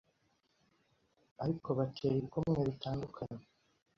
ariko batera ibikumwe bitandukanye